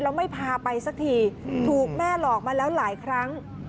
แล้วไม่พาไปสักทีถูกแม่หลอกมาแล้วหลายครั้ง